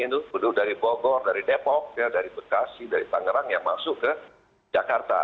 penduduk dari bogor dari depok dari bekasi dari tangerang yang masuk ke jakarta